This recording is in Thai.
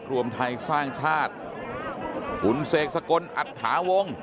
รวมไทยสร้างชาติหุ่นเสกสะกนอัดหาวง